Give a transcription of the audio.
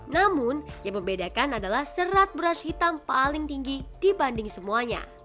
namun yang membedakan adalah serat beras hitam paling tinggi dibanding semuanya